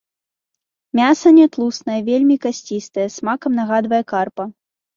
Мяса нятлустае, вельмі касцістае, смакам нагадвае карпа.